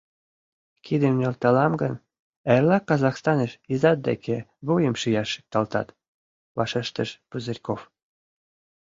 — Кидым нӧлталам гын, эрлак Казахстаныш изат деке вуйым шияш шикшалтат, — вашештыш Пузырьков.